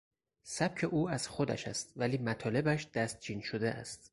سبک او از خودش است ولی مطالبش دستچین شده است.